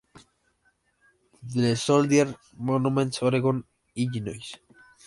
The Soldiers' Monument, Oregon, Illinois.